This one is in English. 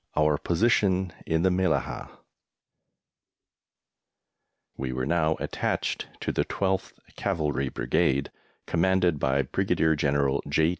OUR POSITION IN THE MELLAHAH. We were now attached to the 12th Cavalry Brigade, commanded by Brigadier General J.